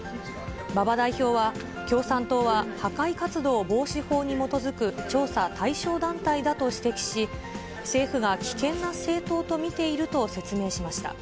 馬場代表は、共産党は破壊活動防止法に基づく調査対象団体だと指摘し、政府が危険な政党と見ていると説明しました。